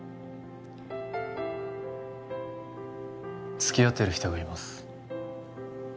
つきあってる人がいます